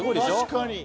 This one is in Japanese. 「確かに！